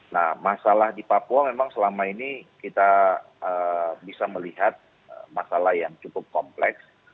nah masalah di papua memang selama ini kita bisa melihat masalah yang cukup kompleks